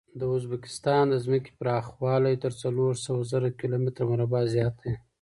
د ازبکستان د ځمکې پراخوالی تر څلور سوه زره کیلو متره څخه زیات دی.